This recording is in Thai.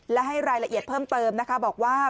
และให้รายละเอียดเพิ่มเติมนะคะบอกว่า